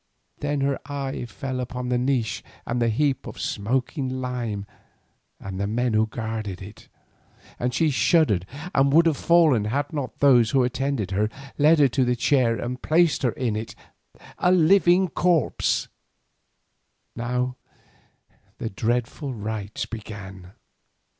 Then her eye fell upon the niche and the heap of smoking lime and the men who guarded it, and she shuddered and would have fallen had not those who attended her led her to the chair and placed her in it—a living corpse. Now the dreadful rites began.